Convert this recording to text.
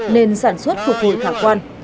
nên sản xuất phục vụ thả quan